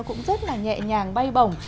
cũng rất là nhẹ nhàng bay bổng